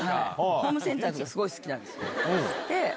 ホームセンターとかすごい好きなんですよ。